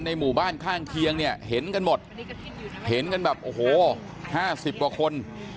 หมู่บ้านข้างเคียงเนี่ยเห็นกันหมดเห็นกันแบบโอ้โห๕๐กว่าคน